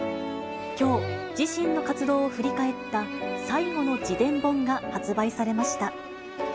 きょう、自身の活動を振り返った最後の自伝本が発売されました。